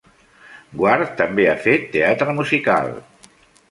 Guare també ha fet teatre musical.